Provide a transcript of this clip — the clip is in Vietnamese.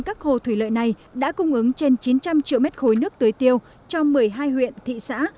các hồ thủy lợi này đã cung ứng trên chín trăm linh triệu mét khối nước tưới tiêu cho một mươi hai huyện thị xã